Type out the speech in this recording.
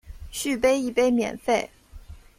续杯一杯免费